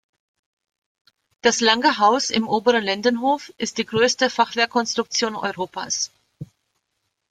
Das "Lange Haus" im oberen Lindenhof ist die größte Fachwerkkonstruktion Europas.